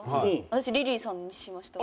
私リリーさんにしました。